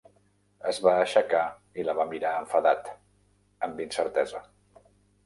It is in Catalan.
Es va aixecar i la va mirar enfadat, amb incertesa.